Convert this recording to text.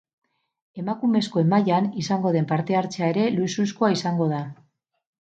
Emakumezkoen mailan izango den parte-hartzea ere luxuzkoa izango da.